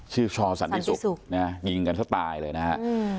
ชื่อชอสันติสุกยิงกันก็ตายเลยนะฮะ